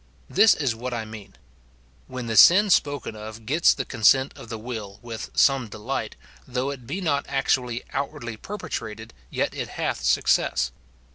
This is what I mean : when the sin spoken of gets the consent of the will with some delight, though it be not actually outwardly perpetrated, yet it hath success.